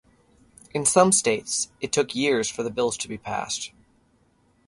In some states, it took years for the bills to be passed.